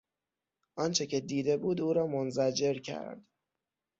آنچه که دیده بود او را منزجر کرد.